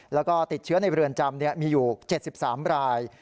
และติดเชื้อในเวลาเรียนจำมีอยู่๗๓ราย